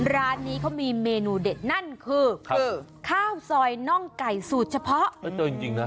ร้านนี้เค้ามีเมนูเด็ด